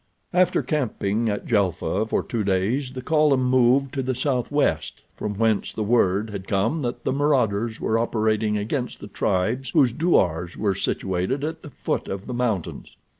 After camping at Djelfa for two days the column moved to the southwest, from whence word had come that the marauders were operating against the tribes whose douars were situated at the foot of the mountains.